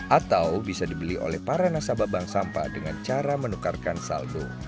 atau bisa dibeli oleh para nasabah bank sampah dengan cara menukarkan saldo